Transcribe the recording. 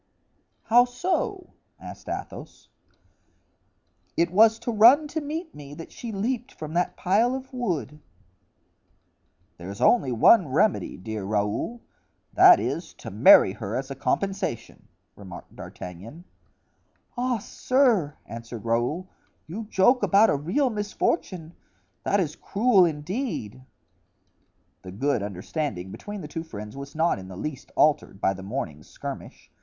"How so?" asked Athos. "It was to run to meet me that she leaped from that pile of wood." "There's only one remedy, dear Raoul—that is, to marry her as a compensation." remarked D'Artagnan. "Ah, sir!" answered Raoul, "you joke about a real misfortune; that is cruel, indeed." The good understanding between the two friends was not in the least altered by the morning's skirmish.